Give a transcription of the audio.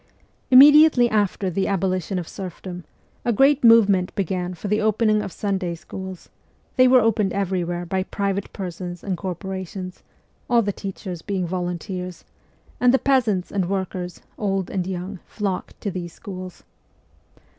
Immediately after the abolition of serfdom, a great movement began for the opening of Sunday schools ; they were opened every where by private persons and corporations all the teachers being volunteers and the peasants and workers, old and young, flocked to these schools.